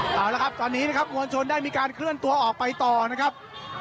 เอาละครับตอนนี้นะครับมวลชนได้มีการเคลื่อนตัวออกไปต่อนะครับ